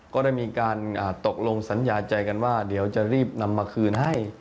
ก็ได้มีการตกลงสัญญาใจกันว่าเดี๋ยวจะรีบนำมาคืนให้